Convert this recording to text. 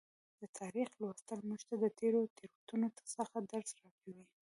د تاریخ لوستل موږ ته د تیرو تیروتنو څخه درس راکوي.